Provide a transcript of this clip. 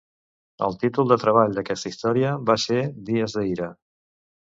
El títol de treball d'aquesta història va ser Dies d'ira.